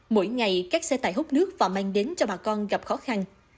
mỗi ngày các xe tải hút nước và mang đến cho bà con gặp khó khăn